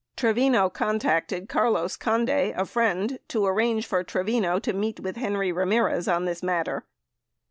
Trevino contacted Carlos Conde, a friend, to arrange for Trevino to meet with Henry Ramirez on this matter.